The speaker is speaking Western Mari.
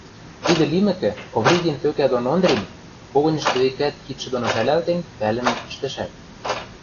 Тидӹ лимӹкӹ, Ковригин тӧкӓ дон Ондрим, когыньышты векӓт кидшӹ доно шӓлӓлтен, пӓлӹмӹм ӹштӹшӓт: